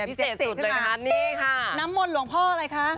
พิเศษขึ้นมานี่ค่ะน้ำมนต์หลวงพ่ออะไรคะ